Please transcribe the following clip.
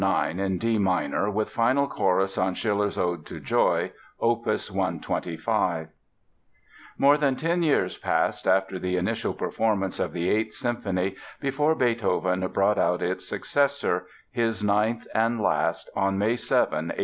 9, in D Minor, with Final Chorus on Schiller's "Ode to Joy," Opus 125 More than ten years passed after the initial performance of the Eighth Symphony before Beethoven brought out its successor, his ninth and last, on May 7, 1824.